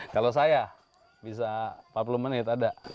kalau saya bisa empat puluh menit ada